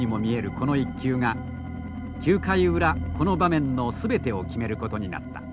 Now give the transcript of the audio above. この１球が９回裏この場面の全てを決めることになった。